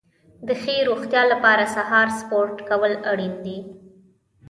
د ښې روغتیا لپاره سهار سپورت کول اړین دي.